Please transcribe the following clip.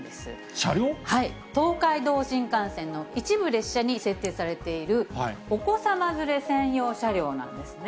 東海道新幹線の一部列車に設定されているお子さま連れ専用車両なんですね。